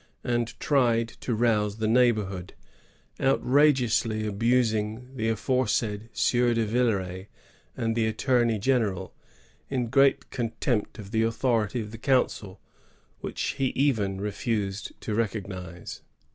and tried to rouse the neighborhood, out rageously abusing the aforesaid Sieur de ViUeray and the attorney general, in great contempt of the authority of the council, which he even refused to recognize."